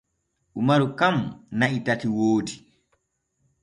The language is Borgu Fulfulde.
Umaru kan na’i tati woodi.